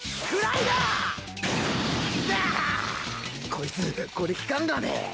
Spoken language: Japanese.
こいつ、これ効かんがね。